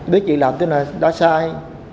biết chị làm thế này đã sai